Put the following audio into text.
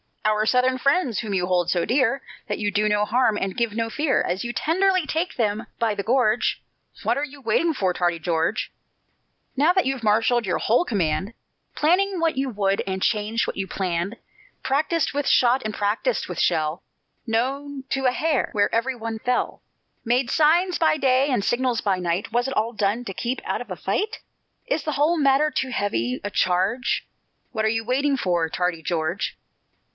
"Our Southern friends!" whom you hold so dear That you do no harm and give no fear, As you tenderly take them by the gorge What are you waiting for, tardy George? Now that you've marshalled your whole command, Planned what you would, and changed what you planned; Practised with shot and practised with shell, Know to a hair where every one fell, Made signs by day and signals by night; Was it all done to keep out of a fight? Is the whole matter too heavy a charge? What are you waiting for, tardy George?